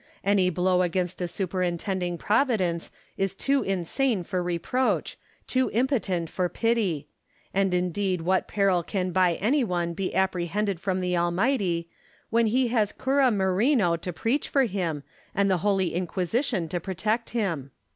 Any blow against a superintending Providence is too insane for reproach, too impotent for pity : and indeed what peril can by any one be apprehended from the Almighty, when he has Cura Merino to preach for him, and the Holy Inquisition to protect him 1 Merino.